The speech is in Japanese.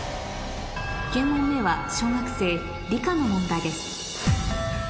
９問目は小学生理科の問題です